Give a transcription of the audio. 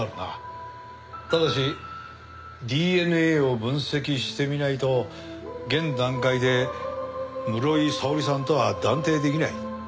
ただしＤＮＡを分析してみないと現段階で室井沙織さんとは断定できない。